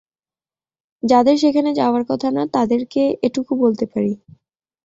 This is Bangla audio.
যাদের সেখানে যাওয়ার কথা না, তাদেরকে, এটুকু বলতে পারি।